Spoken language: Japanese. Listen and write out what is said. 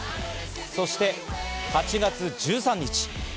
そして８月１３日。